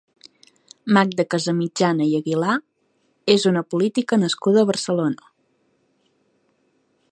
Magda Casamitjana i Aguilà és una política nascuda a Barcelona.